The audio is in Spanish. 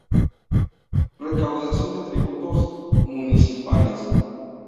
Recaudación de tributos municipales.